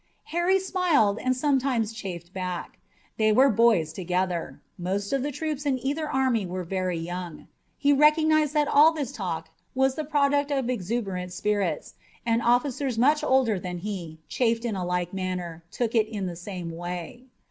Harry smiled, and sometimes chaffed back. They were boys together. Most of the troops in either army were very young. He recognized that all this talk was the product of exuberant spirits, and officers much older than he, chaffed in a like manner, took it in the same way.